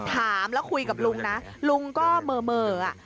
ถามแล้วคุยกับลุงนะลุงก็เมออ่ะ